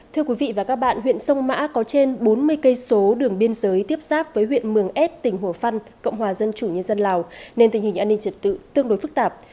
thưa quý vị và các bạn huyện sông mã có trên bốn mươi cây số đường biên giới tiếp xác với huyện mường ết tỉnh hồ văn cộng hòa dân chủ nhân dân lào nên tình hình an ninh trật tự tương đối phức tạp